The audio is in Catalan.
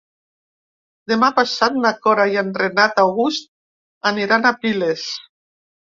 Demà passat na Cora i en Renat August aniran a Piles.